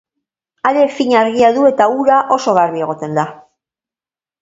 Hare fin argia du eta ura oso garbi egoten da.